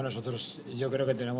ini untuk kontras